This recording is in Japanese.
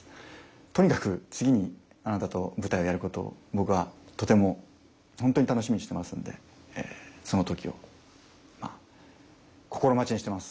とにかく次にあなたと舞台をやることを僕はとてもホントに楽しみにしてますんでその時をまあ心待ちにしてます。